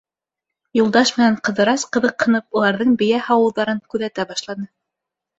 Юлдаш менән Ҡыҙырас ҡыҙыҡһынып уларҙың бейә һауыуҙарын күҙәтә башланы.